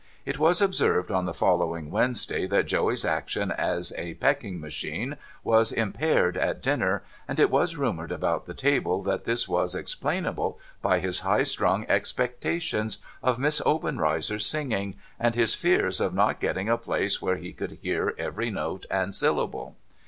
It was ol)served on the following Wednesday that Joey's action as a Pecking Machine was impaired at dinner, and it was rumoured about the table that this was explainable by his high strung expectations of Miss Obenreizer's singing, and his fears of not getting a i)lace where he could hear every note and syllable.